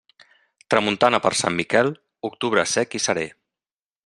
Tramuntana per Sant Miquel, octubre sec i seré.